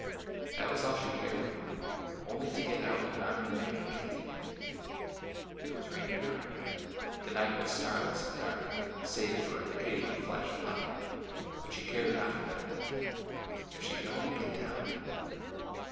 That was all she cared for,— only to get out and on her mare. Kit! It was raining hard, the night was starless and dark, save for an occasional flash of lightning, but she cared not for that. If she could only get down!